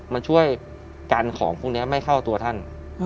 มันช่วยกันของพวกนี้ไม่เข้าตัวท่าน